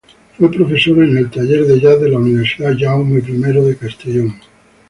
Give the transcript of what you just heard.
Fue profesor en el taller de Jazz de la Universidad Jaume I de Castellón.